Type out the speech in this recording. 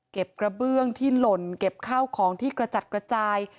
กระเบื้องที่หล่นเก็บข้าวของที่กระจัดกระจาย